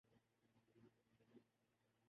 دنیا کے غریبوں کو چاہیے کہ اپنی نفرت کو